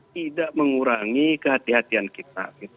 tidak mengurangi kehatian kehatian kita